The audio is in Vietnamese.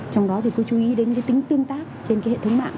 trong đó thì cứ chú ý đến cái tính tương tác trên cái hệ thống mạng